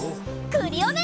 クリオネ！